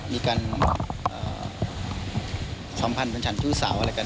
มีการสัมพันธ์สันชุดสาวอะไรกัน